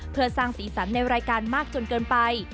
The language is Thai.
เพื่อสร้างสีสันในรายการมากจนเกินไป